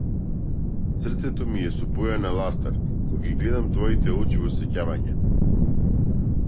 Срцето ми е со боја на ластар, кога ги гледам твоите очи во сеќавање.